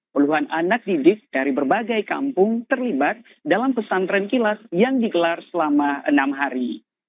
puluhan anak didik dari berbagai kampung terlibat dalam pesantren kilas yang digelar selama enam hari